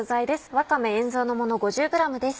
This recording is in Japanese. わかめ塩蔵のもの５０ｇです。